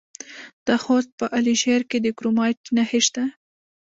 د خوست په علي شیر کې د کرومایټ نښې شته.